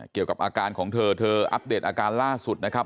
เกี่ยวกับอาการของเธอเธออัปเดตอาการล่าสุดนะครับ